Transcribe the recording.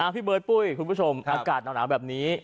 พี่เบิร์ดปุ้ยคุณผู้ชมอากาศหนาวแบบนี้